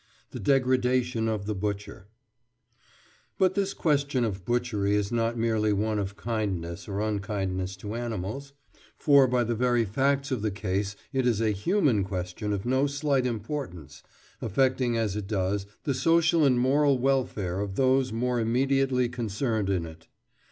THE DEGRADATION OF THE BUTCHER But this question of butchery is not merely one of kindness or unkindness to animals, for by the very facts of the case it is a human question of no slight importance, affecting as it does the social and moral welfare of those more immediately concerned in it.